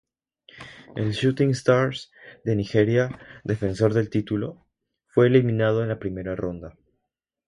El Shooting Stars de Nigeria, defensor del título, fue eliminado en la primera ronda.